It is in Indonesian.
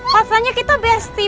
pasalnya kita besti